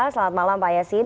selamat malam pak yasin